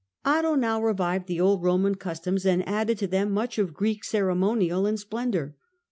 Otto now revived the old Eoman customs and added to them much of Greek ceremonial and splendour.